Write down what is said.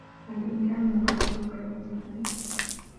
هل بإمكاني مقابلتك يوم الإثنين ؟